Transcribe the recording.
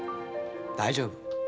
大丈夫。